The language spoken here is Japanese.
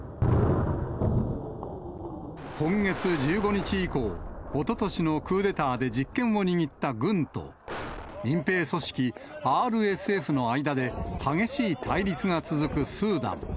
今月１５日以降、おととしのクーデターで実権を握った軍と、民兵組織、ＲＳＦとの間で激しい対立が続くスーダン。